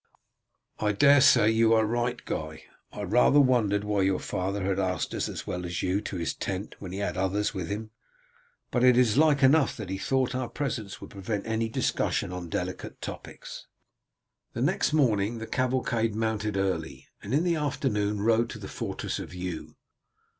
"I daresay you are right, Guy. I rather wondered why your father had asked us as well as you to his tent when he had others with him; but it is like enough that he thought our presence would prevent any discussion on delicate topics." The next morning the cavalcade mounted early, and in the afternoon rode into the fortress of Eu.